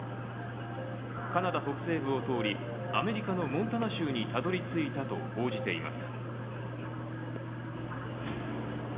カナダ北西部を通り、アメリカのモンタナ州にたどりついたと報じています。